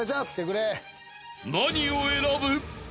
［何を選ぶ？］